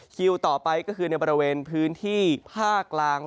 คิวต่อไปก็คือในบริเวณพื้นที่ภาคกลาง